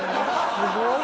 すごい！